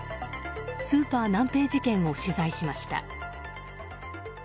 スーパーナンペイ事件を取材しました。